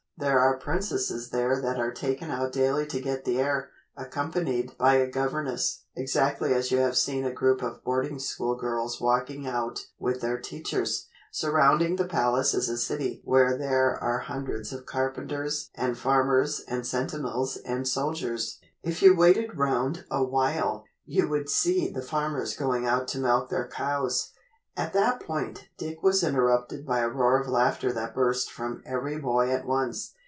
There are princesses there that are taken out daily to get the air, accompanied by a governess, exactly as you have seen a group of boarding school girls walking out with their teachers. Surrounding the palace is a city where there are hundreds of carpenters and farmers and sentinels and soldiers. If you waited round a while, you would see the farmers going out to milk their cows " At that point, Dick was interrupted by a roar of laughter that burst from every boy at once.